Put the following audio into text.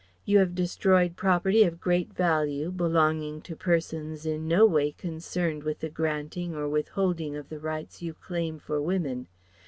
You have destroyed property of great value belonging to persons in no way concerned with the granting or withholding of the rights you claim for women.